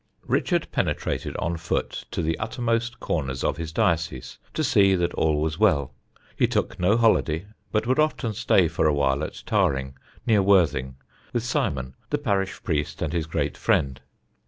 Richard penetrated on foot to the uttermost corners of his diocese to see that all was well. He took no holiday, but would often stay for a while at Tarring, near Worthing, with Simon, the parish priest and his great friend.